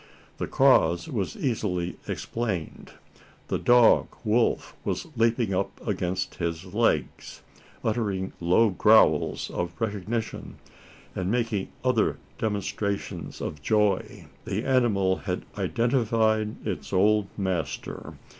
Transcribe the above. The cause was easily explained. The dog Wolf was leaping up against his legs uttering low growls of recognition, and making other demonstrations of joy. The animal had identified its old master!